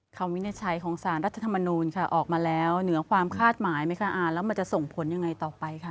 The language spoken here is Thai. วินิจฉัยของสารรัฐธรรมนูลค่ะออกมาแล้วเหนือความคาดหมายไหมคะแล้วมันจะส่งผลยังไงต่อไปค่ะ